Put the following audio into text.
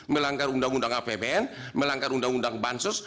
melanggar undang undang apbn melanggar undang undang bansos